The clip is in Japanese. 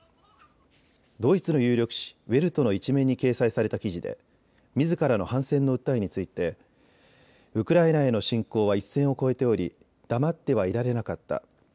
ドイツの有力紙、ウェルトの１面に掲載された記事でみずからの反戦の訴えについてウクライナへの侵攻は一線を越えておりだまってはいられなかった。